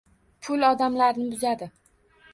Pul odamlarni buzadi